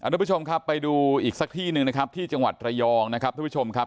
ทุกผู้ชมครับไปดูอีกสักที่หนึ่งนะครับที่จังหวัดระยองนะครับทุกผู้ชมครับ